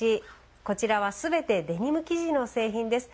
こちらは、すべてデニム生地の製品です。